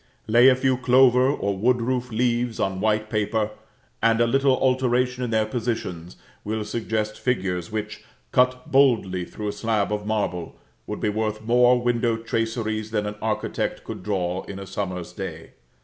Lay a few clover or wood roof leaves on white paper, and a little alteration in their positions will suggest figures which, cut boldly through a slab of marble, would be worth more window traceries than an architect could draw in a summer's day.